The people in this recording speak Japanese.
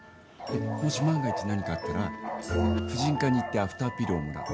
もし、万が一、何かあったら婦人科に行ってアフターピルをもらう。